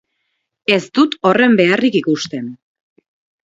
Ez dut horren beharrik ikusten.